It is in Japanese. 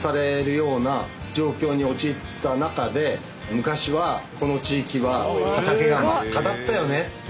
昔はこの地域は畑が真っ赤だったよねって。